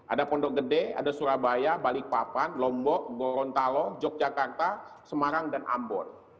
ada pondok gede ada surabaya balikpapan lombok gorontalo yogyakarta semarang dan ambon